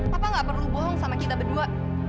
papa gak perlu bohong sama kita berdua